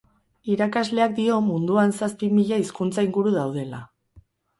Irakasleak dio munduan zazpi mila hizkuntza inguru daudela.